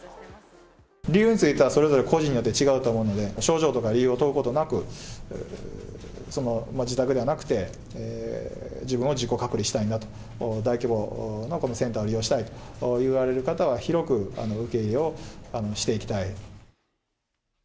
理由についてはそれぞれ個人によって違うと思うので、症状とか理由を問うことなく、自宅ではなくて、自分は自己隔離したいんだと、大規模のこのセンターを利用したいといわれる方は、広く受け入れをしていきたい。